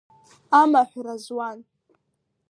Амаҳәра зуан.